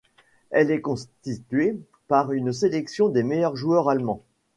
Elle est constituée par une sélection des meilleurs joueurs allemands.